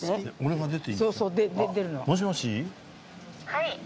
「はい」